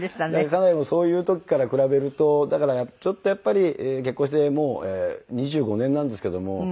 家内もそういう時から比べるとだからやっぱり結婚してもう２５年なんですけども。